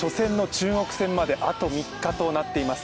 韓国戦まであと３日となっています。